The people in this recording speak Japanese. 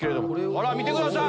ほら見てください！